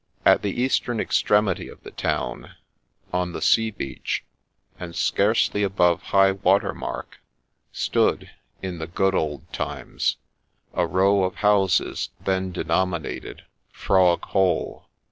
At the eastern extremity of the town, on the sea beach, and scarcely above high water mark, stood, in the good old times, a row of houses then denominated ' Frog hole.'